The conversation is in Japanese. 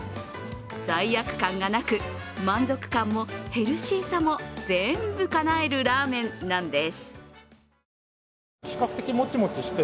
罪悪感がなく、満足感もヘルシーさも全部かなえるラーメンなんです。